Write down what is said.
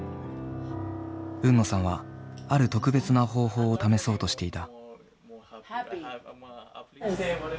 海野さんはある特別な方法を試そうとしていた。